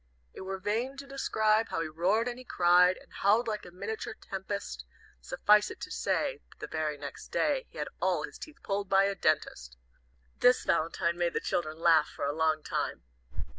"It were vain to describe How he roared and he cried, And howled like a miniature tempest; Suffice it to say, That the very next day He had all his teeth pulled by a dentist!" This valentine made the children laugh for a long time.